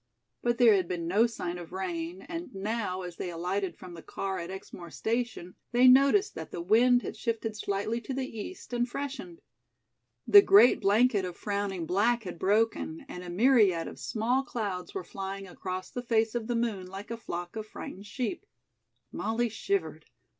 But there had been no sign of rain, and now, as they alighted from the car at Exmoor station, they noticed that the wind had shifted slightly to the east and freshened. The great blanket of frowning black had broken, and a myriad of small clouds were flying across the face of the moon like a flock of frightened sheep. Molly shivered.